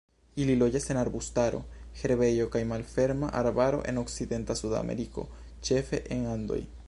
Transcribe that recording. Ili loĝas en arbustaro, herbejo kaj malferma arbaro en okcidenta Sudameriko, ĉefe en Andoj.